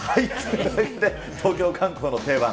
続いて東京観光の定番。